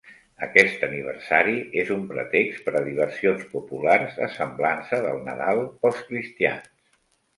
Aquest aniversari és un pretext per a diversions populars, a semblança del Nadal pels cristians.